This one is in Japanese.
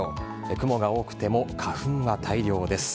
雲が多くても花粉が大量です。